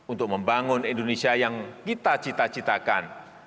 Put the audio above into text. untuk membangun indonesia yang kita cita citakan